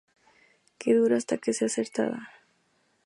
Que dura hasta que sea acertada.